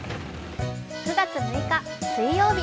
９月６日水曜日。